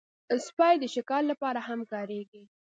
سپي د شکار لپاره هم کارېږي.